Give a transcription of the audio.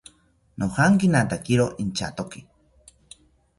Nojankinatakiro inchatoki